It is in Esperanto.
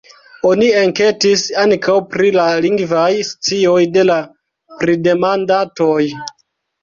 Oni enketis ankaŭ pri la lingvaj scioj de la pridemandatoj.